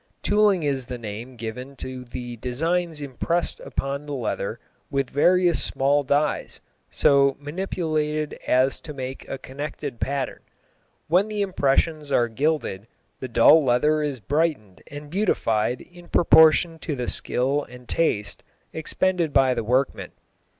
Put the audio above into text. Tooling is the name given to the designs impressed upon the leather with various small dies so manipulated as to make a connected pattern. When the impressions are gilded the dull leather is brightened and beautified in proportion to the skill and taste expended by the workman.